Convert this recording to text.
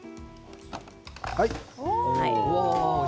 はい。